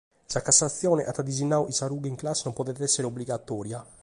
Sa Cassatzione at disinnadu chi sa rughe in classe non podet èssere obligatòria.